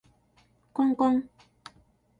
こんこん